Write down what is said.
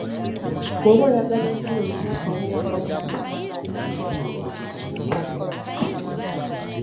Bw’oba oyagala ensuwa ewunye akawoowo akawoomesa amazzi ogiwanika waggulu w’ekyoto ne yitamu ku mukka.